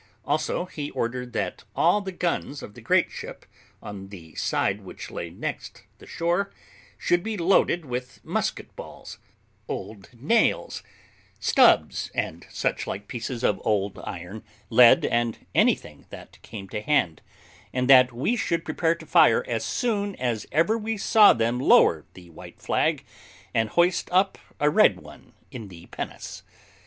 Also he ordered that all the guns of the great ship, on the side which lay next the shore, should be loaded with musket balls, old nails, stubs, and such like pieces of old iron, lead, and anything that came to hand; and that we should prepare to fire as soon as ever we saw them lower the white flag and hoist up a red one in the pinnace.